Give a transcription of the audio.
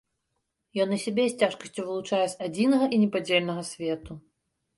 Ён і сябе з цяжкасцю вылучае з адзінага і непадзельнага свету.